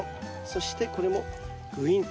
そしてこれもぐいんと。